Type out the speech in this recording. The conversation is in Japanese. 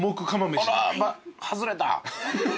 外れた。